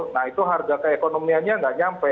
nah itu harga keekonomiannya tidak sampai